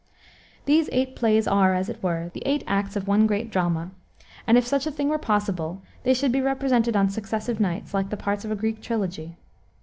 These eight plays are, as it were, the eight acts of one great drama; and if such a thing were possible, they should be represented on successive nights, like the parts of a Greek trilogy.